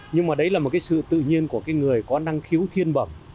nhưng mà đấy là một cái sự tự nhiên của cái người có năng khiếu thiên bẩm